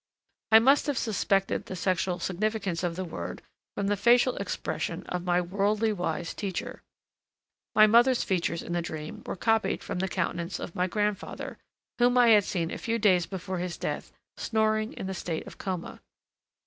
I must have suspected the sexual significance of the word from the facial expression of my worldly wise teacher. My mother's features in the dream were copied from the countenance of my grandfather, whom I had seen a few days before his death snoring in the state of coma.